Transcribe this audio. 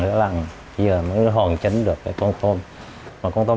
điều nguyên liệu của tôm tươi